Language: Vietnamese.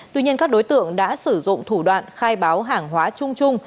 tuy nhiên các đối tượng đã sử dụng thủ đoạn khai báo hàng hóa chung chung